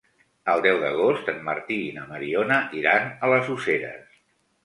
El deu d'agost en Martí i na Mariona iran a les Useres.